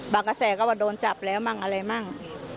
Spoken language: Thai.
กระแสก็ว่าโดนจับแล้วมั่งอะไรมั่ง